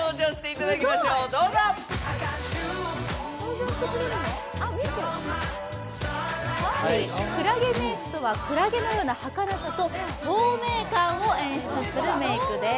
くらげメイクとはくらげのようなはかなさと透明感を演出するメークです。